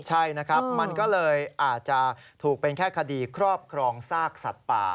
ใช่นะครับมันก็เลยอาจจะถูกเป็นแค่คดีครอบครองซากสัตว์ป่า